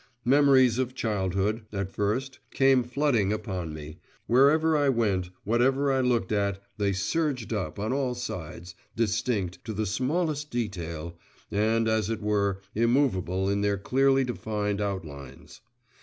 Memories of childhood, at first, came flooding upon me wherever I went, whatever I looked at, they surged up on all sides, distinct, to the smallest detail, and, as it were, immovable, in their clearly defined outlines.